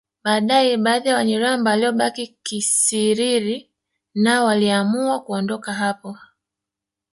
Baadaye baadhi ya Wanyiramba waliobaki Kisiriri nao waliamua kuondoka hapo